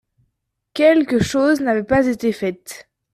Quelques choses n’avaient pas été faites.